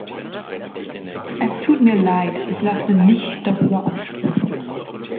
Es tut mir leid. Ich lasse nicht darüber abstimmen.